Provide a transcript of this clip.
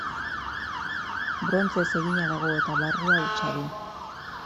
Brontzez egina dago eta barrua hutsa du.